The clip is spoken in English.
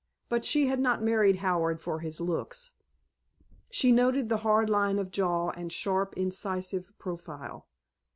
But she had not married Howard for his looks! She noted the hard line of jaw and sharp incisive profile.